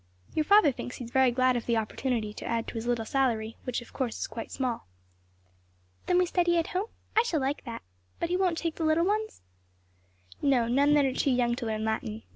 "Your father thinks he is very glad of the opportunity to add a little to his salary; which, of course, is quite small." "Then we study at home? I shall like that. But he won't take little ones?" "No; none that are too young to learn Latin.